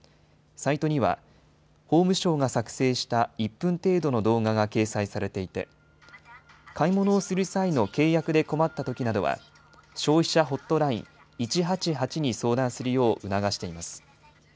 サイトには、法務省が作成した１分程度の動画が掲載されていて、買い物をする際の契約で困ったときなどは、消費者ホットライン１８８に相談するよう促しています。